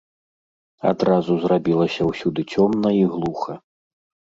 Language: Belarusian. Адразу зрабілася ўсюды цёмна і глуха.